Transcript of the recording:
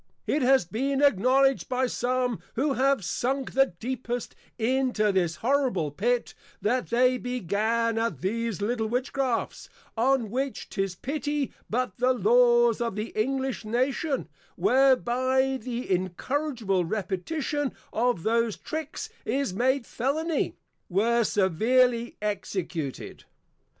It has been acknowledged by some who have sunk the deepest into this horrible Pit, that they began at these little Witchcrafts; on which 'tis pity but the Laws of the English Nation, whereby the incorrigible repetition of those Tricks, is made Felony, were severely Executed.